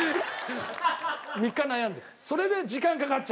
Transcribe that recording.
３日悩んで。